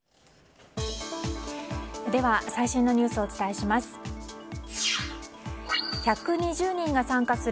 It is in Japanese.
では最新のニュースをお伝えします。